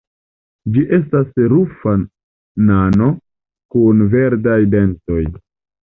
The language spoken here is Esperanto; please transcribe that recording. Ĝi estas rufa nano kun verdaj dentoj.